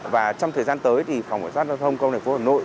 và trong thời gian tới thì phòng hỏi soát giao thông công đại phố hà nội